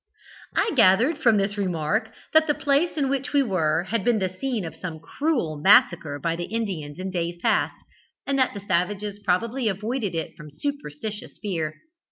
"I gathered from this remark that the place in which we were, had been the scene of some cruel massacre by the Indians in days past, and that the savages probably avoided it from superstitious fear.